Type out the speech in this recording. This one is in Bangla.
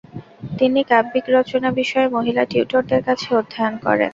তিনি কাব্যিক রচনা বিষয়ে মহিলা টিউটরদের কাছে অধ্যয়ন করেন।